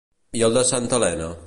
I el de santa Helena?